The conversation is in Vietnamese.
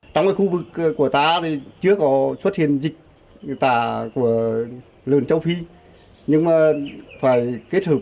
trong khu vực của ta thì chưa có xuất hiện dịch tả của lợn châu phi nhưng mà phải kết hợp